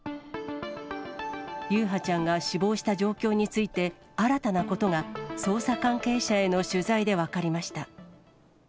優陽ちゃんが死亡した状況について、新たなことが捜査関係者への取材で分かりました。